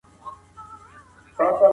ته ولي سبقونه تکراروې؟